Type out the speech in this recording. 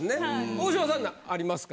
大島さんありますか？